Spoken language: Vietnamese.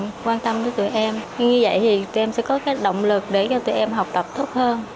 thầy cô rất là quan tâm cho tụi em như vậy thì tụi em sẽ có cái động lực để cho tụi em học tập thức hơn